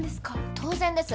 当然です。